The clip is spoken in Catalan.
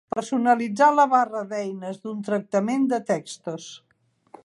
Personalitzar la barra d'eines d'un tractament de textos.